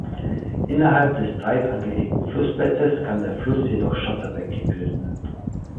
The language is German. Innerhalb des breit angelegten Flussbettes kann der Fluss jedoch Schotterbänke bilden.